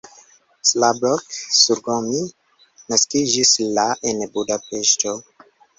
Szabolcs Szuromi naskiĝis la en Budapeŝto.